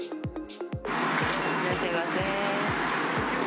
いらっしゃいませ。